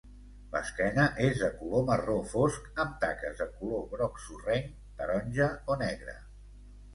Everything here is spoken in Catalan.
L'esquena és de color marró fosc amb taques de color groc sorrenc, taronja o negre.